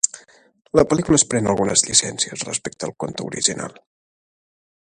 La pel·lícula es pren algunes llicències respecte al conte original.